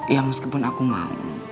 ya meskipun aku mau